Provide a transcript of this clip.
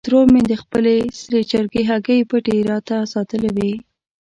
ترور مې د خپلې سرې چرګې هګۍ پټې راته ساتلې وې.